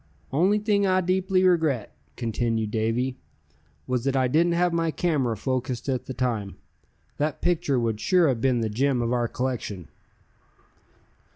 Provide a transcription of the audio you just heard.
"Only thing I deeply regret," continued Davy, "was that I didn't have my camera focussed at the time. That picture would sure have been the gem of our collection."